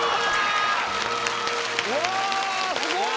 うわすごい！